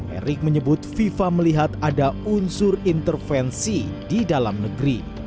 erick menyebut fifa melihat ada unsur intervensi di dalam negeri